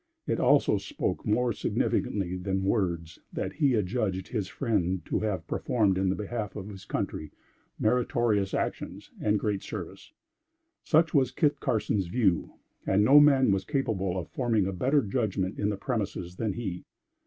It also spoke more significantly than words that he adjudged his friend to have performed in behalf of his country, meritorious actions and a great service. Such was Kit Carson's view; and no man was capable of forming a better judgment in the premises than he.